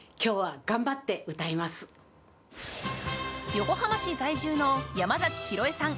横浜市在住の山崎宏枝さん